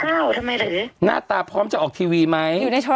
กำลังจะกินข้าวทำไมเหรอหน้าตาพร้อมจะออกทีวีไหมอยู่ใน